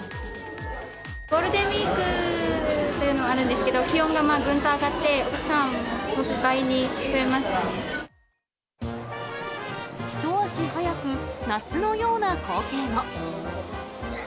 ゴールデンウィークというのもあるんですけど、気温がぐんと上がって、一足早く、夏のような光景も。